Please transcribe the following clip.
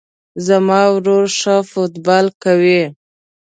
زما ورور ښه فوټبال کوی